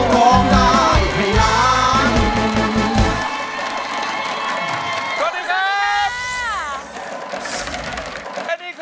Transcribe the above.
ร้องได้ให้ล้าน